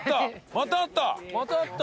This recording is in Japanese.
またあった！